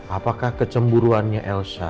apakah kecemburuannya elsa